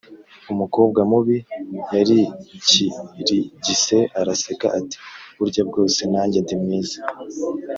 Umukobwa mubi yarikirigise araseka ,ati « Burya bwose nanjye ndi mwiza »